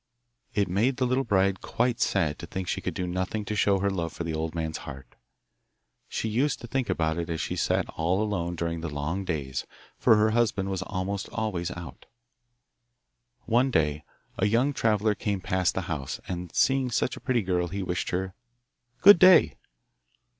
It made the little bride quite sad to think she could do nothing to show her love for the old man's heart. She used to think about it as she sat all alone during the long days, for her husband was almost always out. One day a young traveller came past the house, and seeing such a pretty girl he wished her 'Good day.